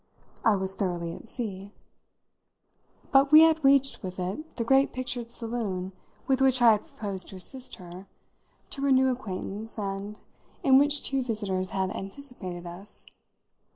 I was thoroughly at sea. But we had reached with it the great pictured saloon with which I had proposed to assist her to renew acquaintance and in which two visitors had anticipated us.